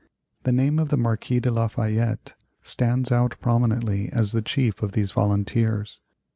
The name of the Marquis de Lafayette stands out prominently as the chief of these volunteers.